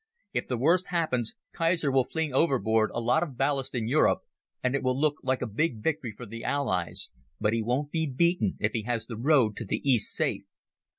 If the worst happens, Kaiser will fling overboard a lot of ballast in Europe, and it will look like a big victory for the Allies, but he won't be beaten if he has the road to the East safe.